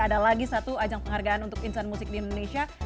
ada lagi satu ajang penghargaan untuk insan musik di indonesia